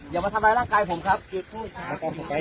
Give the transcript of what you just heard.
อย่ามาทำร้ายร่างกายผมครับผมจะจืดผมมาทำหน้าที่ครับ